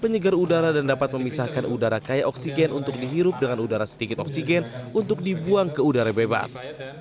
penyegar udara dan dapat memisahkan udara kaya oksigen untuk dihirup dengan udara sedikit oksigen untuk dibuang ke udara bebas